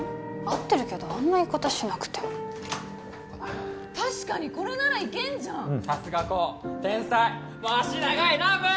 合ってるけどあんな言い方しなくても確かにこれならいけんじゃんさすが功天才足長いラブ！